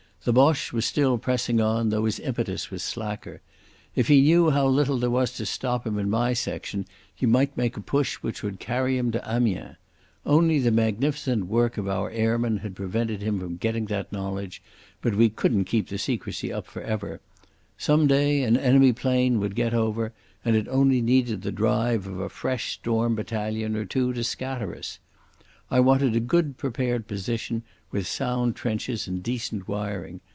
The Boche was still pressing on, though his impetus was slacker. If he knew how little there was to stop him in my section he might make a push which would carry him to Amiens. Only the magnificent work of our airmen had prevented him getting that knowledge, but we couldn't keep the secrecy up for ever. Some day an enemy plane would get over, and it only needed the drive of a fresh storm battalion or two to scatter us. I wanted a good prepared position, with sound trenches and decent wiring.